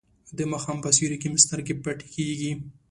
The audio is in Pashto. د ماښام په سیوري کې مې سترګې پټې کیږي.